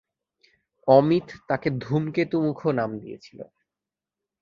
অমিত তাকে ধূমকেতু মুখো নাম দিয়েছিল।